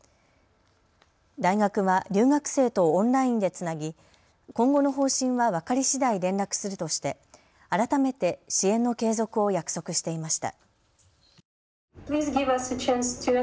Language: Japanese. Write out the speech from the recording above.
大学は留学生とオンラインでつなぎ今後の方針は分かりしだい連絡するとして改めて支援の継続を約束していました。